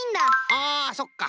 あそっか。